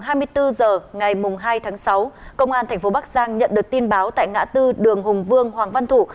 khoảng hai mươi bốn h ngày hai tháng sáu công an thành phố bắc giang nhận được tin báo tại ngã tư đường hùng vương hoàng văn thủ